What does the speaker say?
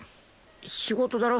仕事だろ。